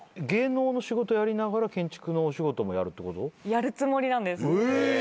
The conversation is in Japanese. やるつもりなんです。えっ！？